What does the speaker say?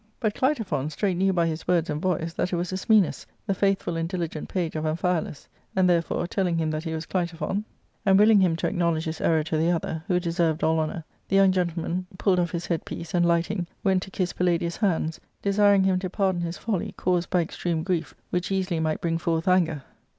But Clitophon straight knew by his words and voice that it was Ismenus, the faithful and diligent page of Am phialus ; and therefore, telling him that he was Clitophon, / i I / 63 ARCADIA.—Book L j , and willing him to acknowledge his enx)r to the other, who deserved all honour, the young gentleman pulled off his headpiece, and, lighting, went to kiss Palladius' hands, desiring him to pardon his folly, caused by extreme grief, which easily might bring forth anger.